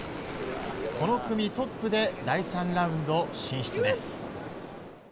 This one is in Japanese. この組トップで第３ラウンド進出です。